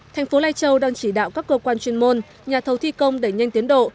thành phố lai châu đang chỉ đạo các cơ quan chuyên môn nhà thầu thi công đẩy nhanh tiến độ